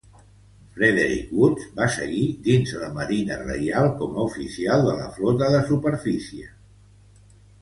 Frederick Woods va seguir dins la Marina Reial com a oficial de la flota de superfície.